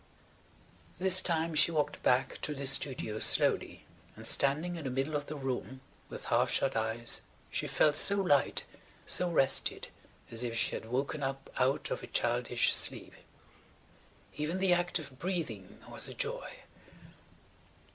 This time she walked back to the studio slowly, and standing in the middle of the room with half shut eyes she felt so light, so rested, as if she had [Page 156] woken up out of a childish sleep. Even the act of breathing was a joy.